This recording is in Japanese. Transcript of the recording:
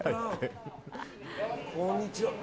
こんにちは。